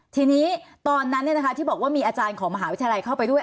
ทีนี้ตอนนั้นที่บอกว่ามีอาจารย์ของมหาวิทยาลัยเข้าไปด้วย